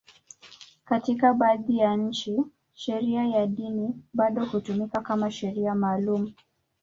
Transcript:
Katika baadhi ya nchi, sheria ya dini bado hutumika kama sheria maalum.